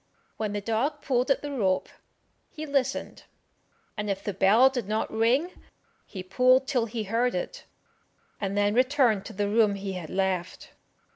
When the dog pulled at the rope, he listened, and if the bell did not ring, he pulled till he heard it, and then returned to the room he had left.